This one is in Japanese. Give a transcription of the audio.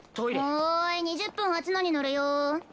はーい２０分発のに乗るよ。